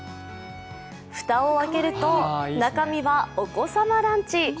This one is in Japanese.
蓋を明けると中身はお子様ランチ。